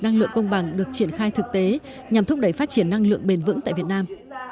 năng lượng công bằng được triển khai thực tế nhằm thúc đẩy phát triển năng lượng bền vững tại việt nam